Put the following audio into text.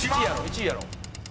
１位やろ。